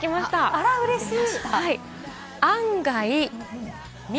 あら、うれしい！